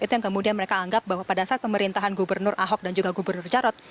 itu yang kemudian mereka anggap bahwa pada saat pemerintahan gubernur ahok dan juga gubernur jarot